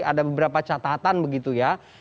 ada beberapa catatan begitu ya